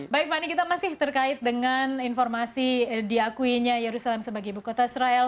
baik fani kita masih terkait dengan informasi diakuinya yerusalem sebagai ibu kota israel